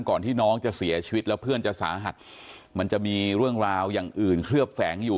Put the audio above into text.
ก่อนที่น้องจะเสียชีวิตแล้วเพื่อนจะสาหัสมันจะมีเรื่องราวอย่างอื่นเคลือบแฝงอยู่